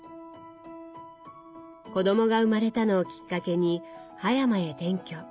子どもが生まれたのをきっかけに葉山へ転居。